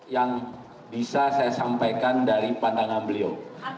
yang bisa saya sampaikan dari pandangan beliau